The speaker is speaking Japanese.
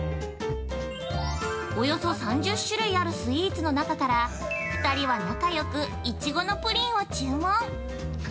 およそ３０種類あるスイーツの中から２人は仲よくいちごのプリンを注文。